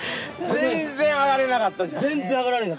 全然上がれなかったんだ。